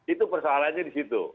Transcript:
itu persoalannya di situ